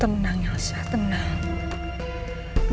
tenang yasa tenang